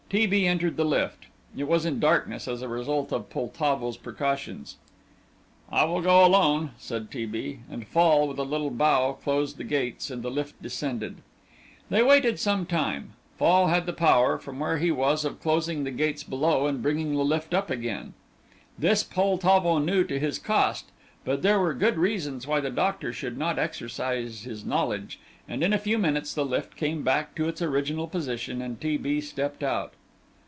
T. B. entered the lift. It was in darkness, as a result of Poltavo's precautions. "I will go alone," said T. B., and Fall, with a little bow, closed the gates, and the lift descended. They waited some time; Fall had the power, from where he was, of closing the gates below and bringing the lift up again. This Poltavo knew to his cost, but there were good reasons why the doctor should not exercise his knowledge, and in a few minutes the lift came back to its original position and T. B. stepped out.